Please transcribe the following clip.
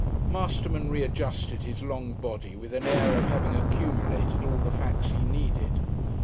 Masterman readjusted his long body with an air of having accumulated all the facts he needed.